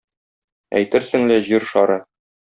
Әйтерсең лә Җир шары.